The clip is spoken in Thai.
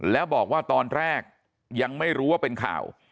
แล้วบอกว่าตอนแรกยังไม่รู้ว่าเป็นข่าว